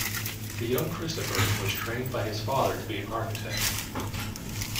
The younger Christopher was trained by his father to be an architect.